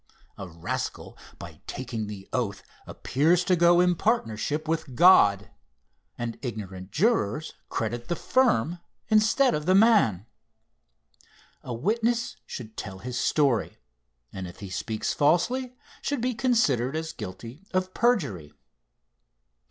A rascal by taking the oath appears to go in partnership with God, and ignorant jurors credit the firm instead of the man. A witness should tell his story, and if he speaks falsely should be considered as guilty of perjury.